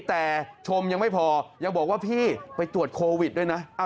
แต่ชมยังไม่พอยังบอกว่าพี่ไปตรวจโควิดด้วยนะ